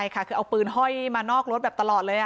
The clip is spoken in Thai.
เขาเอาปืนห้อยมานอกรถแบบตลอดเลยอ่ะ